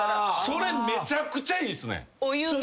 それめちゃくちゃいいっすね！